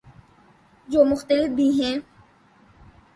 جو مختلف بھی ہیں